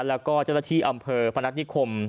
แล้วก็เจ้าหน้าที่อำเภอพนัฐนิคม